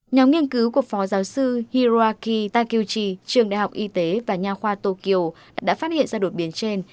nhóm nghiên cứu của phó giáo sư hiroaki takuchi trường đh y tế và nhà khoa tokyo đã phát hiện ra đột biến trên